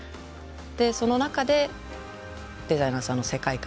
でその中でデザイナーさんの世界観を表現していく。